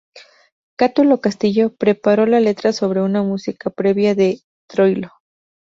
Cátulo Castillo preparó la letra sobre una música previa de Troilo.